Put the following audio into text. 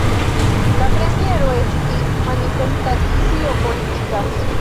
La premiero estis manifestacio politika.